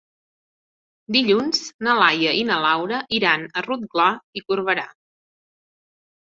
Dilluns na Laia i na Laura iran a Rotglà i Corberà.